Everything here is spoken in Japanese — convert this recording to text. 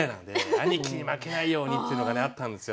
兄貴に負けないようにっていうのがねあったんですよ。